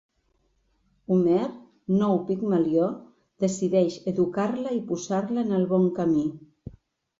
Homer, nou Pigmalió, decideix educar-la i posar-la en el bon camí.